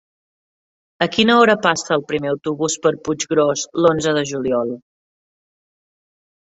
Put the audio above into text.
A quina hora passa el primer autobús per Puiggròs l'onze de juliol?